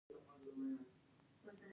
د خلکو باور د بازار شتمني ده.